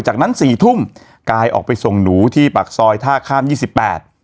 จากนั้นสี่ทุ่มกายออกไปส่งหนูที่ปากซอยท่าข้ามยี่สิบแปด